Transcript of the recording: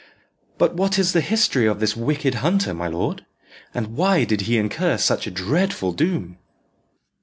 "But what is the history of this wicked hunter, my lord? and why did he incur such a dreadful doom?"